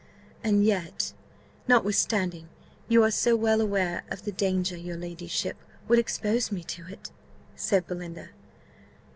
'" "And yet, notwithstanding you are so well aware of the danger, your ladyship would expose me to it?" said Belinda.